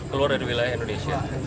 keluar dari wilayah indonesia